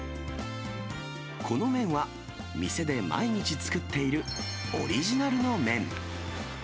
この麺は、店で毎日作っているオリジナルの麺。